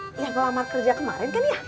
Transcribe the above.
ini yang kelamar kerja kemarin kan ya